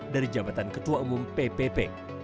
dari jabatan ketua umum ppp